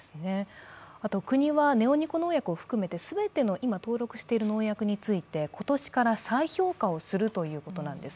国はネオニコ農薬を含めて全ての今登録している農薬について今年から再評価をするということなんです。